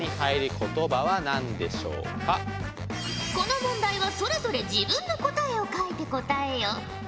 この問題はそれぞれ自分の答えを書いて答えよ。